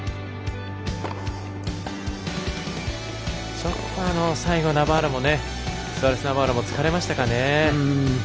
ちょっと最後スアレスナバーロも疲れましたかね。